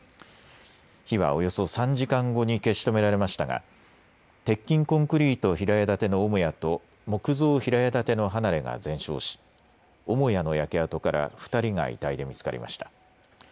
火はおよそ３時間後に消し止められましたが鉄筋コンクリート平屋建ての母屋と木造平屋建ての離れが全焼し母屋の焼け跡から２人が遺体で見つかりました。